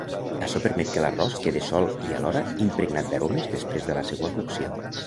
Açò permet que l'arròs quede solt i alhora, impregnat d'aromes després de la seua cocció.